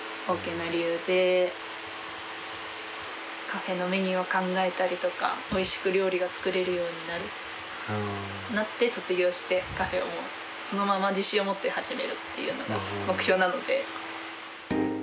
カフェのメニューを考えたりとかおいしく料理が作れるようになって卒業してカフェをそのまま自信を持って始めるっていうのが目標なので。